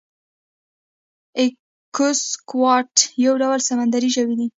ایکسکوات یو ډول سمندری ژوی دی